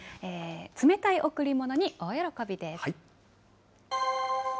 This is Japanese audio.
冷たい贈り物に大喜びです。